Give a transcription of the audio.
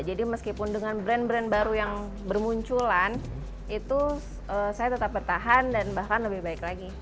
jadi meskipun dengan brand brand baru yang bermunculan itu saya tetap bertahan dan bahkan lebih baik lagi